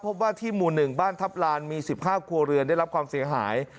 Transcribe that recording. พบว่าที่หมู่๑บ้านทัพลานมี๑๕ครัวเรือนได้รับความเสียหาย